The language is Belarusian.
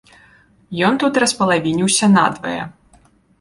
Ён тут распалавініўся надвае.